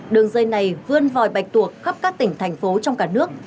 đường dây này vươn vòi bạch tuộc khắp các tỉnh thành phố trong cả nước